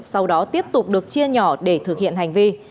sau đó tiếp tục được chia nhỏ để thực hiện hành vi